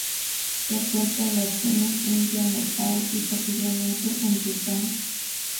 Se encuentra en la China, India, Nepal y, posiblemente en Bután.